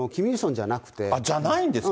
じゃないんですか。